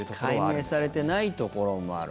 解明されていないところもある。